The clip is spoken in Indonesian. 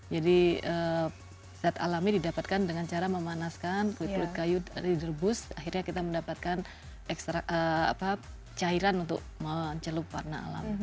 jadi zat alamnya didapatkan dengan cara memanaskan kulit kulit kayu dari direbus akhirnya kita mendapatkan cairan untuk mencelup warna alam